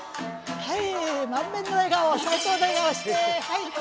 はい！